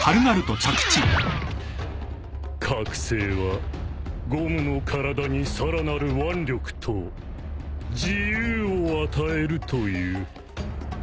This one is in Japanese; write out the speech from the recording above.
覚醒はゴムの体にさらなる腕力と自由を与えるという。